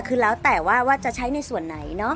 คือแล้วแต่ว่าว่าจะใช้ในส่วนไหนเนาะ